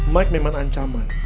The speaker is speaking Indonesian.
mike memang ancaman